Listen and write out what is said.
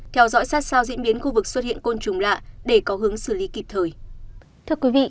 theo dõi sát sao diễn biến khu vực xuất hiện côn trùng lạ để có hướng xử lý kịp thời